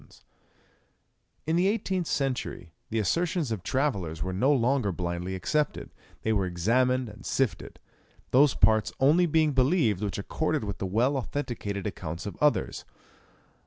[Illustration: Port Monterey. (Fac simile of early engraving.)] In the eighteenth century the assertions of travellers were no longer blindly accepted. They were examined and sifted, those parts only being believed which accorded with the well authenticated accounts of others.